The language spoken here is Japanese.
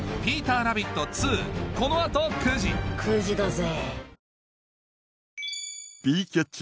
９時だぜ・